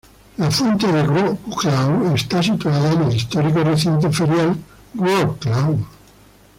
La Fuente de Wrocław está situada en el histórico recinto ferial Wrocław.